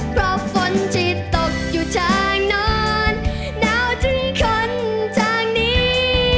เพราะฝนที่ตกอยู่ทางนอนหนาวถึงคนทางนี้